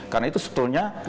karena itu sebetulnya guru